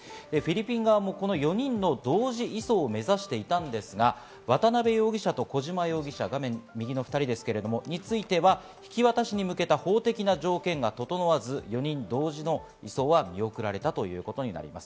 フィリピン側も４人の同時移送を目指していたんですが、渡辺容疑者と小島容疑者、右の２人については引き渡しに向けた法的な条件が整わず４人同時の移送は見送られたということになります。